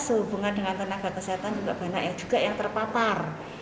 sehubungan dengan tenaga kesehatan juga banyak yang terpapar